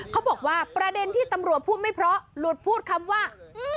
เขาบอกว่าประเด็นที่ตำรวจพูดไม่เพราะหลุดพูดคำว่า